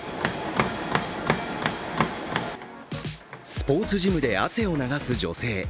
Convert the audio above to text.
スポーツジムで汗を流す女性。